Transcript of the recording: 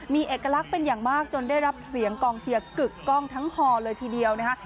มีเอกลักษณ์เป็นอย่างมากจนได้รับเสียงกองเชียร์กึกกล้องทั้งฮอเลยทีเดียวนะคะ